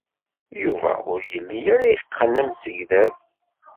Yuba ur yelli ara yeqqen amsegdal.